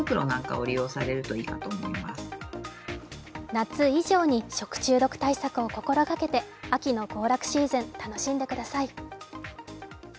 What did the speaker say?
夏以上に食中毒対策を心掛けて秋の行楽シーズン、楽しんでください。